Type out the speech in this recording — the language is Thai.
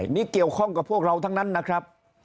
แบบคุ้มครองกับพวกเราทั้งนั้นนะครับ